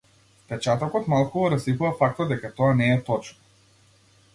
Впечатокот малку го расипува фактот дека тоа не е точно.